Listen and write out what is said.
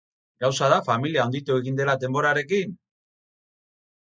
Gauza da familia handitu egin dela denborarekin!